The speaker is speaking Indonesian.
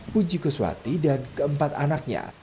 puji kuswati dan keempat anaknya